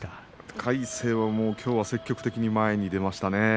魁聖はきょうは積極的に前に出ましたね。